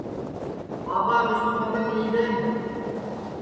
ٻاٻا مِسکُو پتنٚگ لی دؔئین